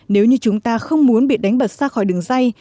nếu như chúng ta không muốn bị đánh bật xa khỏi đường dây